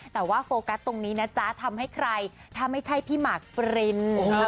แต่ว่าโฟกัสตรงนี้นะจ๊ะทำให้ใครถ้าไม่ใช่พี่หมากปริน